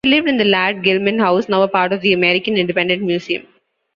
He lived in the Ladd-Gilman house, now a part of the American Independence Museum.